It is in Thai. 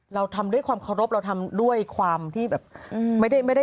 เราทำด้วยความเคารพเราทำด้วยความที่แบบไม่ได้